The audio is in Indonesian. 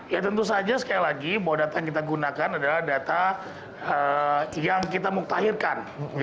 ya tentu saja sekali lagi bahwa data yang kita gunakan adalah data yang kita muktahirkan